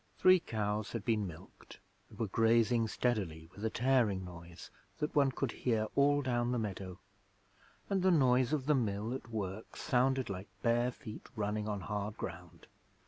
Three Cows had been milked and were grazing steadily with a tearing noise that one could hear all down the meadow; and the noise of the Mill at work sounded like bare feet running on hard ground.